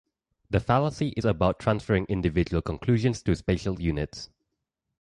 The fallacy is about transferring individual conclusions to spatial units.